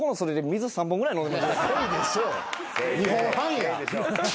２本半や。